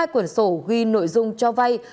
hai quần sổ ghi nội dung cho vai